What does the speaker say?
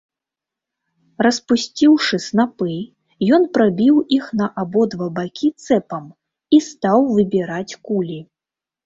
Распусціўшы снапы, ён прабіў іх на абодва бакі цэпам і стаў выбіраць кулі.